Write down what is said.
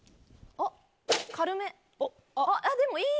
あっでもいい！